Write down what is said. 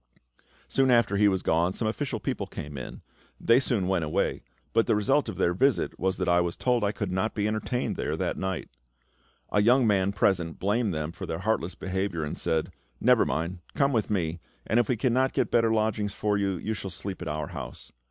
Soon after he was gone some official people came in; they soon went away, but the result of their visit was that I was told I could not be entertained there that night. A young man present blamed them for their heartless behaviour, and said, "Never mind, come with me; and if we cannot get better lodgings for you, you shall sleep at our house."